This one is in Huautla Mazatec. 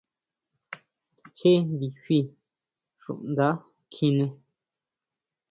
Jé ndifi xunda kjiné.